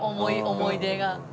思い出が。